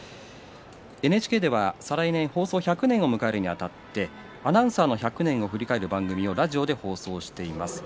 ＮＨＫでは再来年、放送１００年を迎えるにあたってアナウンサーの１００年を振り返る番組をラジオで放送しています。